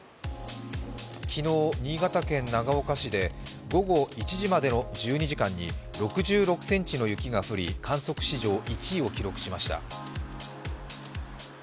昨日、新潟県長岡市で午後１時までの１２時間に６６ｃｍの雪が降り、観測史上１位を記録しました。